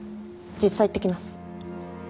実査行ってきます。